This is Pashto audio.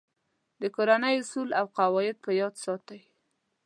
د کورنۍ اصول او قواعد په یاد ساتئ.